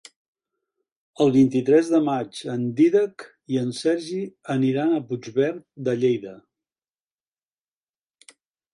El vint-i-tres de maig en Dídac i en Sergi aniran a Puigverd de Lleida.